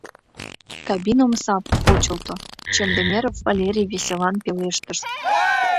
Кабин омса почылто, Чендемеров Валерий веселан пелештыш: